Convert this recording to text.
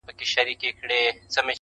دا روغن په ټول دوکان کي قیمتې وه؛